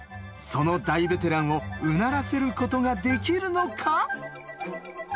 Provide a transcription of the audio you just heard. その大ベテランをうならせる事ができるのか？